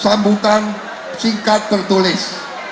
sambutan singkat tertulis